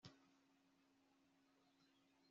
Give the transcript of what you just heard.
tuzabikora nyuma